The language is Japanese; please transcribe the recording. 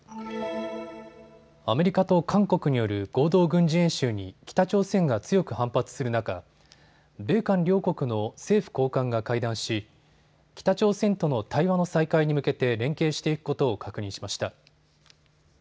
アメリカと韓国による合同軍事演習に北朝鮮が強く反発する中、米韓両国の政府高官が会談し北朝鮮との対話の再開に向けて連携していくことを確認しました。